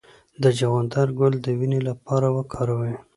د چغندر ګل د وینې لپاره وکاروئ